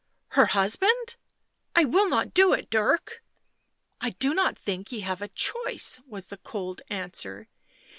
" Her husband ! I will not do it, Dirk !"" I do not think ye have a choice," was the cold answer.